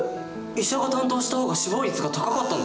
医者が担当した方が死亡率が高かったの？